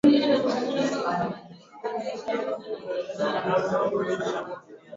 siku ya Jumapili vyanzo vinne vya jeshi la serikali vililiambia shirika la habari